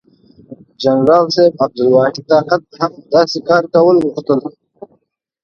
جنرال صاحب عبدالواحد طاقت هم داسې کار کول غوښتل.